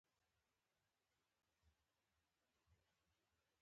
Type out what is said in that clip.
• ژړا د ژوند یوه اړتیا ده.